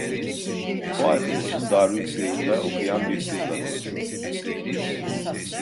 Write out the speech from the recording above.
O arkadaşım Darülfünun'da okuyan bir kızla konuşurdu.